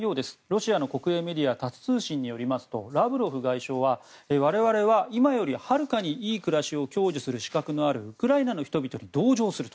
ロシアの国営メディアタス通信によりますとラブロフ外相は我々は今よりはるかに良い暮らしを享受する資格のあるウクライナの人々に同情する。